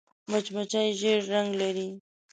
مچمچۍ ژیړ رنګ لري